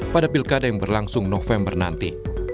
pada pilkada yang berlangsung november nanti